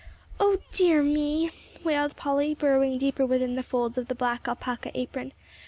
"O dear me!" wailed Polly, burrowing deeper within the folds of the black alpaca apron.